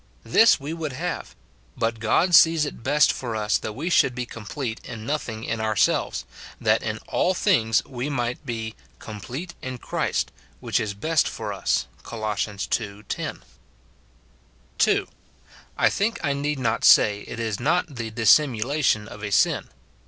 This we would have ; but God sees it best for us that we should be complete in nothing in ourselves, that in all things we might be " com plete in Christ;" which is best for us, Col. ii. 10. (2.) I think I need not say it is not the dissimulation of a sin.